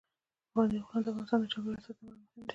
پابندي غرونه د افغانستان د چاپیریال ساتنې لپاره مهم دي.